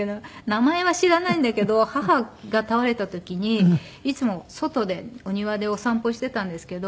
名前は知らないんだけど母が倒れた時にいつも外でお庭でお散歩していたんですけど。